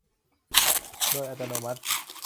โดยอัตโนมัติ